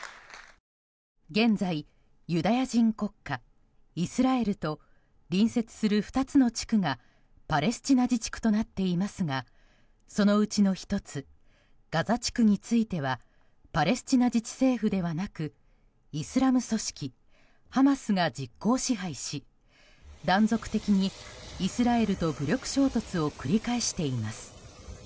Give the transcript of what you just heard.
現在、ユダヤ人国家イスラエルと隣接する２つの地区がパレスチナ自治区となっていますがそのうちの１つガザ地区についてはパレスチナ自治政府ではなくイスラム組織ハマスが実効支配し断続的にイスラエルと武力衝突を繰り返しています。